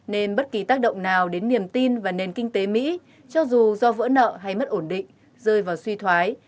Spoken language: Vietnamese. nên bất kỳ tác động nào đến niềm tin và nền kinh tế mỹ cho dù do vỡ nợ hay mất ổn định rơi vào suy thoái